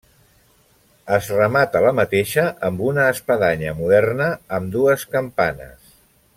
Es remata la mateixa amb una espadanya, moderna, amb dues campanes.